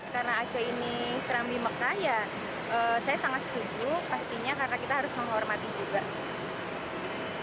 karena aceh ini serambi meka ya saya sangat setuju pastinya karena kita harus menghormati juga